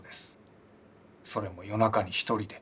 それも夜中に一人で。